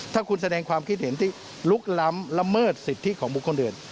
ถ้าคุณแสดงความคิดเห็นที่ลุกล้ำละเมิดสิทธิของบุคคลอื่น